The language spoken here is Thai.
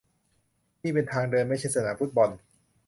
นี่เป็นทางเดินไม่ใช่สนามฟุตบอล